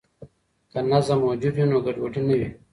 که نظم موجود وي، نو ګډوډي نه وي.